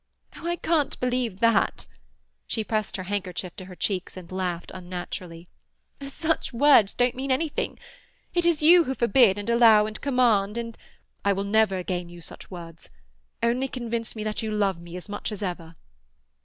"Oh, I can't believe that!" She pressed her handkerchief to her cheeks, and laughed unnaturally. "Such words don't mean anything. It is you who forbid and allow and command, and—" "I will never again use such words. Only convince me that you love me as much as ever."